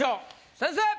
先生！